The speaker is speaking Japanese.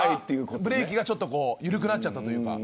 ブレーキが緩くなっちゃったというか。